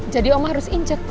jadi kamu harus mencari